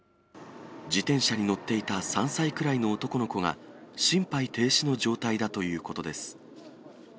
自転車に乗っていた３歳くらいの男の子が、心肺停止の状態だということです。